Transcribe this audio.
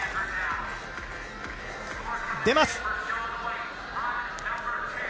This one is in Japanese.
出ます。